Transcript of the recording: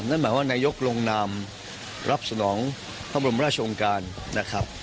นั่นหมายว่านายกลงนามรับสนองพระบรมราชองค์การนะครับ